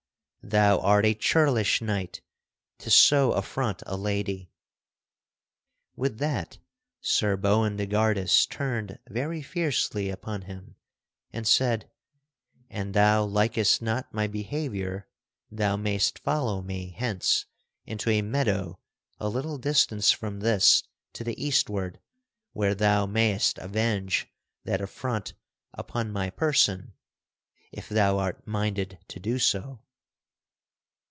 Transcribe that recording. thou art a churlish knight to so affront a lady." With that Sir Boindegardus turned very fiercely upon him and said: "And thou likest not my behavior, thou mayst follow me hence into a meadow a little distance from this to the eastward where thou mayst avenge that affront upon my person if thou art minded to do so."